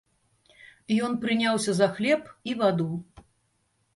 Ён прыняўся за хлеб і ваду.